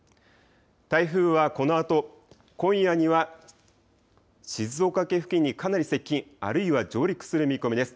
台風はこのあと今夜には静岡県付近にかなり接近、あるいは上陸する見込みです。